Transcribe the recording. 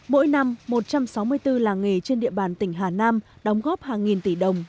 mỗi năm một trăm sáu mươi bốn làng nghề trên địa bàn tỉnh hà nam đóng góp hàng nghìn tỷ đồng